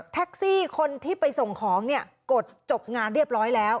แท็กซี่คนที่ไปส่งของเนี่ยกดจบงานเรียบร้อยแล้ว